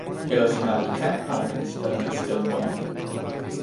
ilo sina li ken ala ken sitelen e sitelen pona?